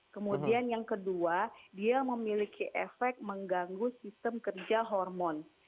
kemudian yang kedua dia memiliki efek mengganggu sistem kerja hormon